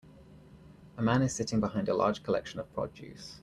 A man is sitting behind a large collection of produce.